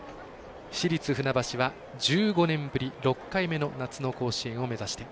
市立船橋は１５年ぶり６回目の夏の甲子園を目指して。